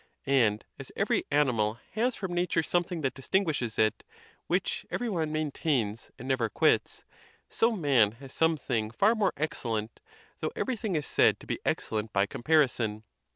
And as every ani mal has from nature something that distinguishes it, which every one maintains and never quits; so man has some thing far more excellent, though everything is said to be excellent by comparison.